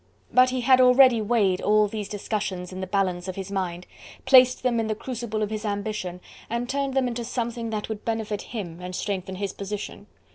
But he had already weighed all these discussions in the balance of his mind, placed them in the crucible of his ambition, and turned them into something that would benefit him and strengthen his position.